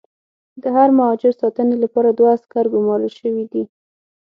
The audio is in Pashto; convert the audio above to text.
د هر مهاجر ساتنې لپاره دوه عسکر ګومارل شوي دي.